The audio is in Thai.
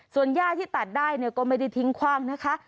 ส่วนย่าที่ตัดได้ก็ไม่ได้ทิ้งคว่างนะคะ